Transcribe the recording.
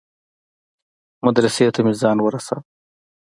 مدرسې ته مې ځان ورساوه.